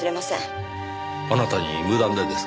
あなたに無断でですか？